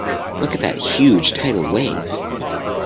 Look at that huge tidal wave.